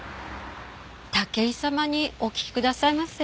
武井様にお聞きくださいませ。